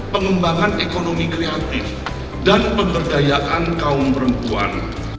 pengembangan ekonomi kreatif dan pemberdayaan kaum perempuan